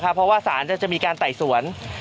เพราะว่าสารจะมีการไต่สวน